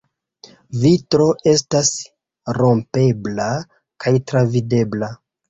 Vitro estas rompebla kaj travidebla.